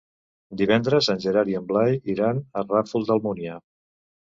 Divendres en Gerard i en Blai iran al Ràfol d'Almúnia.